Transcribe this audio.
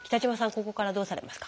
ここからどうされますか？